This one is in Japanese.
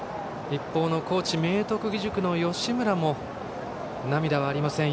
一方の高知・明徳義塾の吉村も涙はありません。